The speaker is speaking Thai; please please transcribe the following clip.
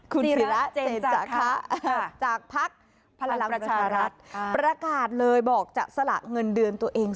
คุณศิระเจนจาคะจากภักดิ์พลังประชารัฐประกาศเลยบอกจะสละเงินเดือนตัวเอง